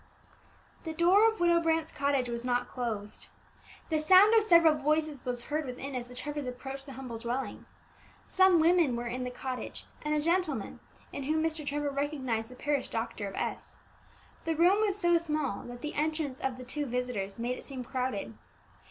The door of Widow Brant's cottage was not closed. The sound of several voices was heard within as the Trevors approached the humble dwelling. Some women were in the cottage, and a gentleman in whom Mr. Trevor recognized the parish doctor of S . The room was so small that the entrance of the two visitors made it seem crowded.